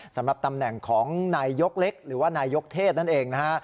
สำหรับตำแหน่งของนายยกเล็กหรือว่านายยกเทศนั่นเองนะฮะ